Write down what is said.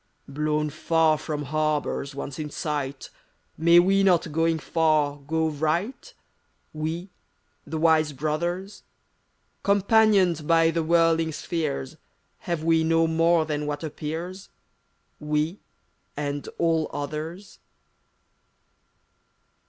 THIBD VOICE Blown far from harbors once in sight, May we not, going far, go right, — We, the Wise Brothers? Companioned by the whirling spheres, Have we no more than what appears — We, and all others?